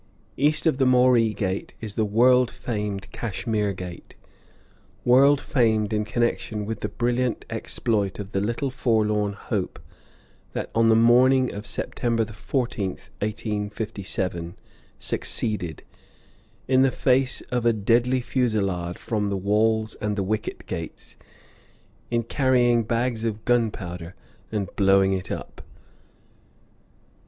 East of the Moree Gate is the world famed Cashmere Gate world famed in connection with the brilliant exploit of the little forlorn hope that, on the morning of September 14, 1857, succeeded, in the face of a deadly fusillade from the, walls and the wicket gates, in carrying bags of gunpowder and blowing it up.